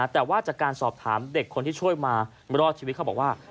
แต่ว่าจากการสอบถามเด็กคนที่ช่วยมารอดชีวิตเขาบอกว่า